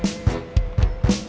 ya ini lagi serius